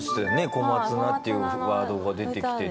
「小松菜」っていうワードが出てきてて。